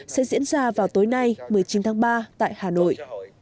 sẽ diễn ra vào tối nay một mươi chín tháng ba tại hà nội